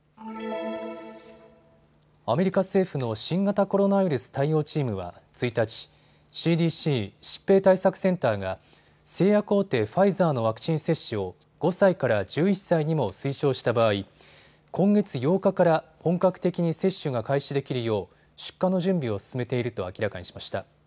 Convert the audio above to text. アメリカ政府の新型コロナウイルス対応チームは１日、ＣＤＣ・疾病対策センターが製薬大手ファイザーのワクチン接種を５歳から１１歳にも推奨した場合、今月８日から本格的に接種が開始できるよう出荷の準備を進めていると明らかにしました。